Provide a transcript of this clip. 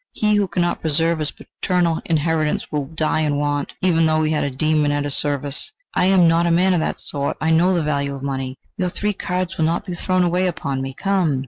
He who cannot preserve his paternal inheritance, will die in want, even though he had a demon at his service. I am not a man of that sort; I know the value of money. Your three cards will not be thrown away upon me. Come!"...